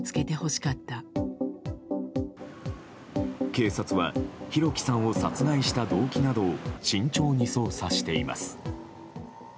警察は、弘輝さんを殺害した動機などを慎重に捜査しています。